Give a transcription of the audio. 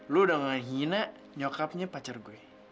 lu udah nggak hina nyokapnya pacar gue